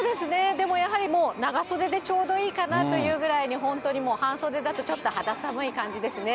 でもやはり、もう長袖でちょうどいいかなというぐらいに、本当にもう半袖だとちょっと肌寒い感じですね。